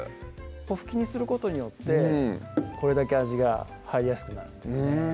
粉吹きにすることによってこれだけ味が入りやすくなるんですね